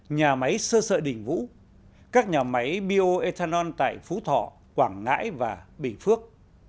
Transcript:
nhà máy sơ sợ đình vũ các nhà máy bioethanol tại phú thọ quảng ngãi và bình phước